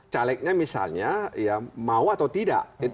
calegnya misalnya ya mau atau tidak